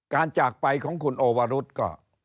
จากไปของคุณโอวรุธก็